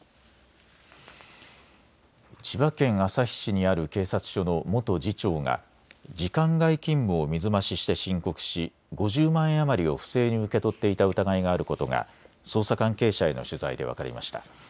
千葉県旭市にある警察署の元次長が時間外勤務を水増しして申告し５０万円余りを不正に受け取っていた疑いがあることが捜査関係者への取材で分かりました。